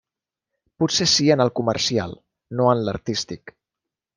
Potser sí en el comercial, no en l'artístic.